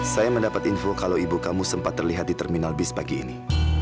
saya mendapat info kalau ibu kamu sempat terlihat di terminal bis pagi ini